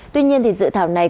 tuy nhiên dự thảo này